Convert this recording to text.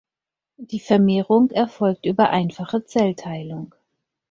Die Vermehrung erfolgt über einfache Zellteilung.